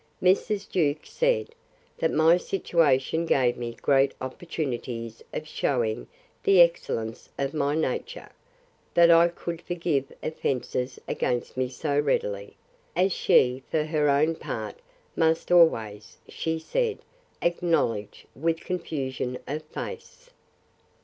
Mrs. Jewkes said, that my situation gave me great opportunities of shewing the excellence of my nature, that I could forgive offences against me so readily, as she, for her own part, must always, she said, acknowledge, with confusion of face.